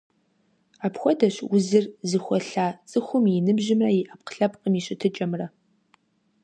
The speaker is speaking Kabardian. Апхуэдэщ узыр зыхуэлъа цӀыхум и ныбжьымрэ и Ӏэпкълъэпкъым и щытыкӀэмрэ.